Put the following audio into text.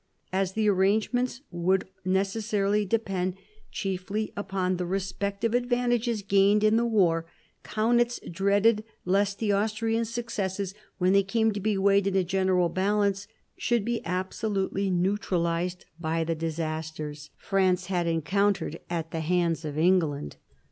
As the arrangements would necessarily depend chiefly upon M 162 MARIA THERESA chap, vii the respective advantages gained in the war, Kaunitz dreaded lest the Austrian successes, when they came to be weighed in a general balance, should be absolutely neutralised by the disasters France had encountered at the hands of England.